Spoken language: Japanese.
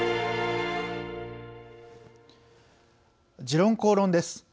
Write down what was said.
「時論公論」です。